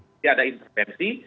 jadi ada intervensi